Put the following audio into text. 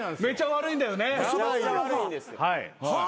悪いんですよ。は